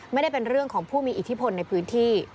ไม่ได้เป็นเรื่องของผู้มีอิทธิพลในพื้นที่